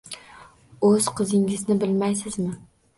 O`z qizingizni bilmaysizmi